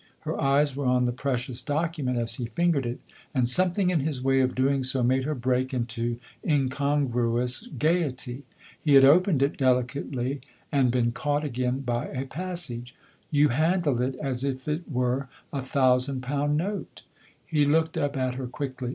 Her eyes were on the precious document as he fingered it, and something in his way of doing so made her break into incon gruous gaiety. He had opened it delicately and been caught again by a passage. "You handle it as if it were a thousand pound note '" He looked up at her quickly.